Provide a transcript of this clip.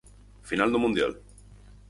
Final do mundial.